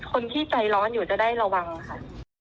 คนที่ใจร้อนอยู่จะได้ระวังค่ะ